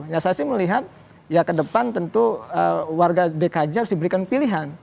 ya saya sih melihat ya ke depan tentu warga dki harus diberikan pilihan